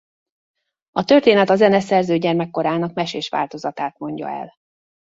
A történet a zeneszerző gyermekkorának mesés változatát mondja el.